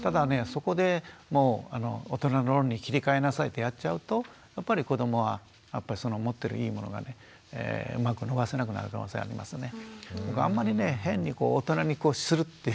そこでもう大人の論理に切り替えなさいってやっちゃうとやっぱり子どもはその持ってるいいものがねうまく伸ばせなくなる可能性がありますよね。